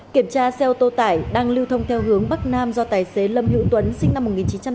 kiểm tra xeo tô tải đang lưu thông theo hướng bắc nam do tài xế lâm hữu tuấn sinh năm một nghìn chín trăm tám mươi sáu